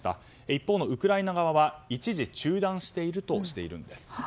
一方のウクライナ側は一時中断しているとしています。